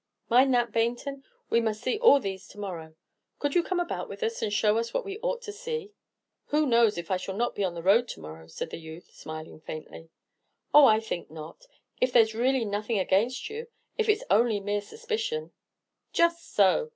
"Mind that, Baynton; we must see all these to morrow. Could you come about with us, and show us what we ought to see?" "Who knows if I shall not be on the road to morrow?" said the youth, smiling faintly. "Oh, I think not, if there's really nothing against you; if it's only mere suspicion." "Just so!"